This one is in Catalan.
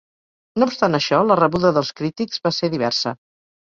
No obstant això, la rebuda dels crítics va ser diversa.